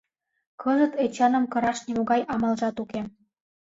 Кызыт Эчаным кыраш нимогай амалжат уке.